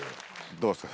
どうですか？